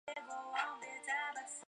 町域北边有东武铁道通过。